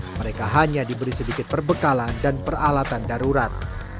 mereka hanya diberi sedikit perbekalan dan peralatan darurat